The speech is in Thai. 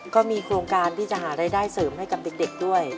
ก็มีโครงการที่จะหารายได้เสริมให้กับเด็กด้วย